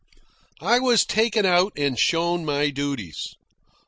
I was taken out and shown my duties.